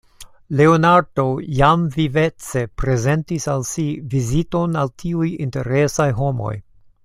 Leonardo jam vivece prezentis al si viziton al tiuj interesaj homoj.